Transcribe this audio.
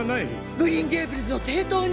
グリーン・ゲイブルズを抵当に！？